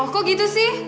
kok gitu sih